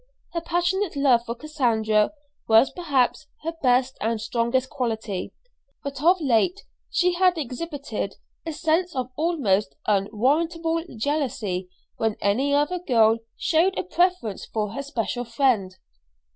Her passionate love for Cassandra was perhaps her best and strongest quality; but of late she had exhibited a sense of almost unwarrantable jealousy when any other girl showed a preference for her special friend.